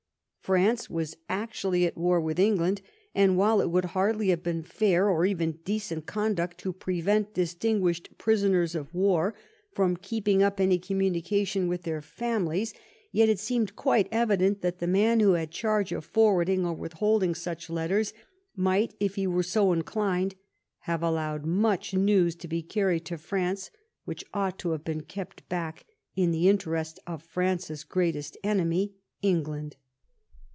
France was actually at war with England, and while it would hardly have been fair or even decent conduct to prevent distinguished prisoners of war from keeping up any communication with their families, yet it seemed quite evident that the man who had charge of forwarding or withholding such letters might, if he were so inclined, have allowed much news to be carried to France which ought to have been kept back in the interest of France's greatest enemy, England.